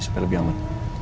supaya lebih aman